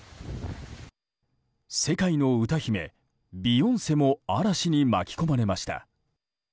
世界の歌姫ビヨンセも嵐に巻き込まれました。